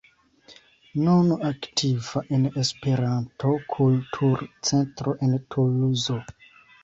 Nun aktiva en Esperanto-Kultur-Centro en Tuluzo.